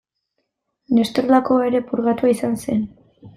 Nestor Lakoba ere purgatua izan zen.